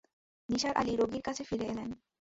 নিসার আলি রোগীর কাছে ফিরে এলেন।